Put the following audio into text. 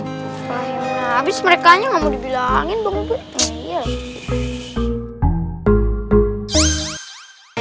paham lah abis merekanya gak mau dibilangin bang ustadz